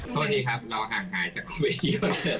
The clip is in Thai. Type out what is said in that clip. โทษทีครับเราหากหายจากโควิดที่เกิดทีนั้นมาก